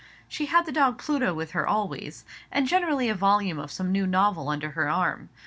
She had the dog Pluto with her always, and generally a volume of some new novel under her arm.